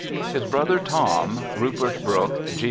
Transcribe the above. His brother Tom, Rupert Brooke, G.